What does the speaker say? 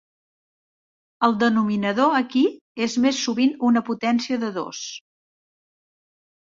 El denominador aquí és més sovint una potència de dos.